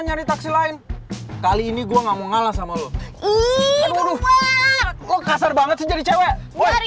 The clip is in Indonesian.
nyari taksi lain kali ini gua nggak mau ngalah sama lu iiih lu kasar banget jadi cewek